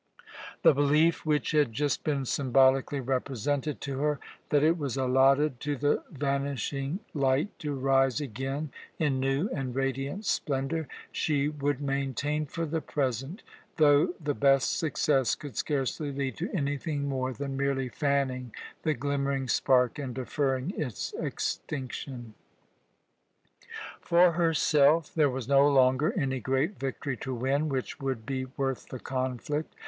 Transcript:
The belief which had just been symbolically represented to her that it was allotted to the vanishing light to rise again in new and radiant splendour she would maintain for the present, though the best success could scarcely lead to anything more than merely fanning the glimmering spark and deferring its extinction. For herself there was no longer any great victory to win which would be worth the conflict.